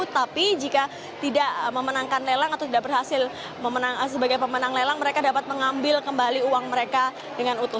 tapi jika tidak memenangkan lelang atau tidak berhasil sebagai pemenang lelang mereka dapat mengambil kembali uang mereka dengan utuh